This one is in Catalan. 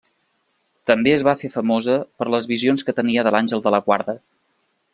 També es va fer famosa per les visions que tenia de l'Àngel de la Guarda.